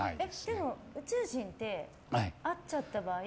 でも宇宙人って会っちゃった場合。